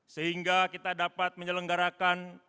sehingga kita dapat menyelenggarakan